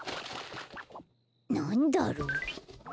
なんだろう？